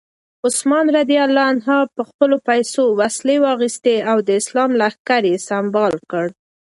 عثمان رض په خپلو پیسو وسلې واخیستې او د اسلام لښکر یې سمبال کړ.